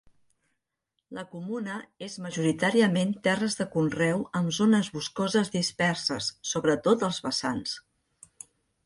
La comuna és majoritàriament terres de conreu amb zones boscoses disperses, sobretot als vessants.